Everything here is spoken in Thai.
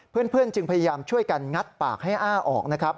เพื่อนจึงพยายามช่วยกันงัดปากให้อ้าออกนะครับ